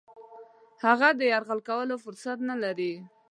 هغه د یرغل کولو فرصت نه لري.